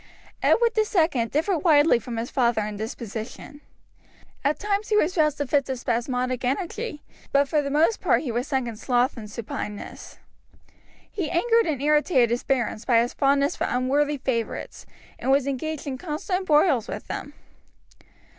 Edward II differed widely from his father in disposition. At times he was roused to fits of spasmodic energy, but for the most part he was sunk in sloth and supineness. He angered and irritated his barons by his fondness for unworthy favourites, and was engaged in constant broils with them.